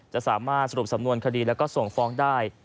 จะสามารถสรุปสำนวนคดีแล้วก็ส่งฟ้องได้